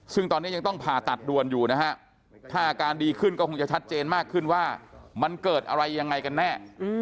ซึ่งตอนนี้ยังต้องผ่าตัดด่วนอยู่นะฮะถ้าอาการดีขึ้นก็คงจะชัดเจนมากขึ้นว่ามันเกิดอะไรยังไงกันแน่